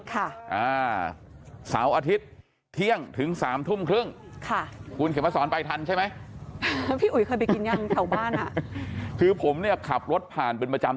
คุณเขียนมาสอนไปทันใช่ไหมพี่อุ๋ยเคยไปกินยังแถวบ้านคือผมเนี่ยขับรถผ่านเป็นประจำ